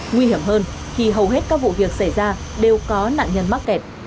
nguy hiểm hơn khi hầu hết các vụ việc xảy ra đều có nạn nhân mắc kẹt